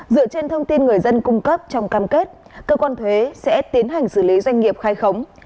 dựa trên thông tin người dân cung cấp trong cam kết cơ quan thuế sẽ tiến hành xử lý doanh nghiệp khai khống